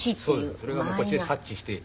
それがもうこっちで察知して。